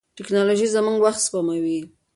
ټیکنالوژي زموږ وخت سپموي.